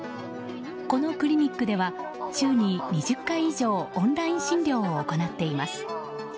このクリニックでは週に２０回以上オンライン診療を行っています。